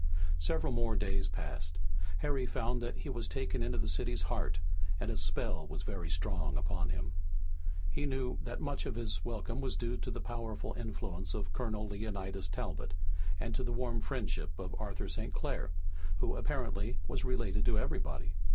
Several more days passed. Harry found that he was taken into the city's heart, and its spell was very strong upon him. He knew that much of his welcome was due to the powerful influence of Colonel Leonidas Talbot and to the warm friendship of Arthur St. Clair, who apparently was related to everybody.